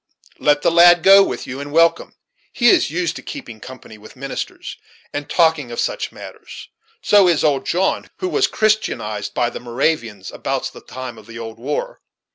Let the lad go with you in welcome; he is used to keeping company with ministers, and talking of such matters; so is old John, who was christianized by the Moravians abouts the time of the old war.